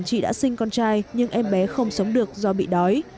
chị đã sinh con trai nhưng em bé không sống được do bị đói